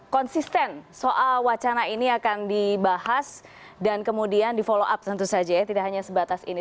konsisten soal wacana ini akan dibahas dan kemudian di follow up tentu saja ya tidak hanya sebatas ini